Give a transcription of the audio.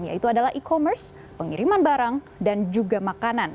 yaitu adalah e commerce pengiriman barang dan juga makanan